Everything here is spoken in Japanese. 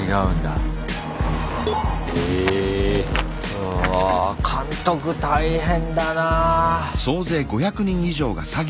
うわ監督大変だな！